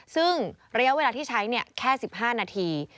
ซึ่งระยะเวลาที่ใช้แค่๑๕นาที